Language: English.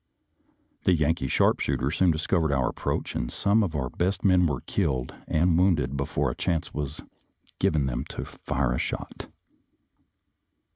The Yankee sharpshooters soon discovered our approach, and some of our best men were killed and wounded before a chance was given them to fire a shot.